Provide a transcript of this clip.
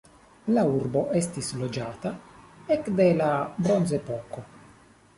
La urbo estis loĝata ekde la bronzepoko.